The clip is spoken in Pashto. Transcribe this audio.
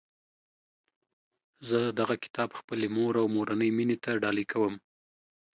زه دغه کتاب خپلي مور او مورنۍ میني ته ډالۍ کوم